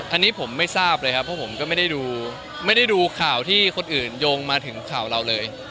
อันนี้ผมไม่ทราบเลยครับเพราะผมก็ไม่ได้ดูข่าวที่คนอื่นโยงมาถึงข่าวเราเลย